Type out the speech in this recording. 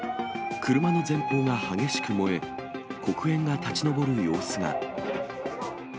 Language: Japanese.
車の前方が激しく燃え、黒煙が立ち上る様子が。